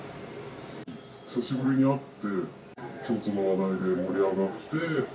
久しぶりに会って、共通の話題で盛り上がって。